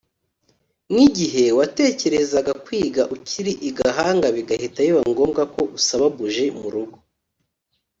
nk’igihe watekerezaga kwiga ukiri i Gahanga bigahita biba ngombwa ko usaba buji mu rugo